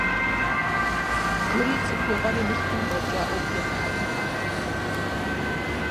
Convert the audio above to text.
Гури ЦӀыхугъэри Мылъкум фӀэкӀа Ӏуэху ямыӀэжу къэнат.